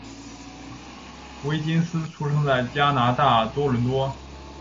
威金斯出生在加拿大多伦多。